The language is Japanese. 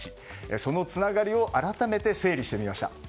そのつながりを改めて整理してみました。